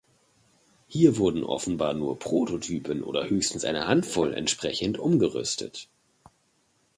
Hier wurden offenbar nur Prototypen oder höchstens eine Handvoll entsprechend umgerüstet.